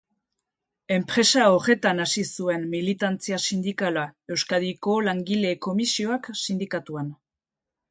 Enpresa horretan hasi zuen militantzia sindikala, Euskadiko Langile Komisioak sindikatuan.